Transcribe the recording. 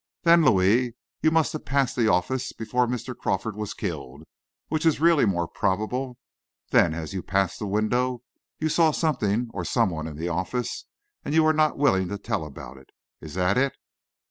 "Then, Louis, you must have passed the office before Mr. Crawford was killed, which is really more probable. Then as you passed the window, you saw something or someone in the office, and you're not willing to tell about it. Is this it?"